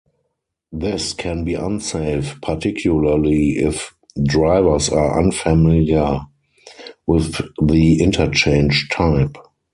This can be unsafe particularly if drivers are unfamiliar with the interchange type.